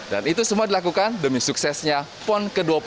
dan itu semua dilakukan demi suksesnya pon ke dua puluh